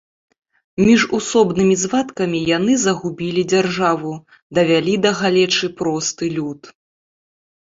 Міжусобнымі звадкамі яны загубілі дзяржаву, давялі да галечы просты люд.